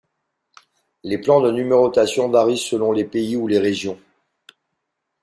Les plans de numérotation varient selon les pays ou les régions.